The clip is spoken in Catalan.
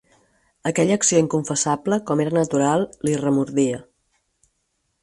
Aquella acció inconfessable, com era natural, li remordia.